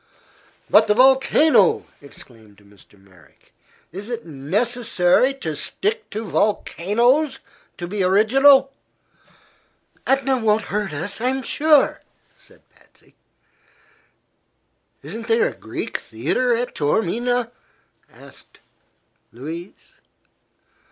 "But the volcano!" exclaimed Mr. Merrick. "Is it necessary to stick to volcanoes to be original?" "Etna won't hurt us, I'm sure," said Patsy. "Isn't there a Greek theatre at Taormina?" asked Louise.